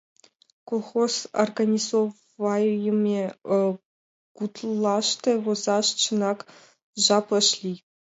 Колхоз организовайыме гутлаште возаш, чынак, жап ыш лий.